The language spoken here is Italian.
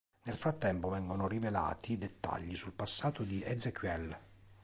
Nel frattempo vengono rivelati dettagli sul passato di Ezequiel.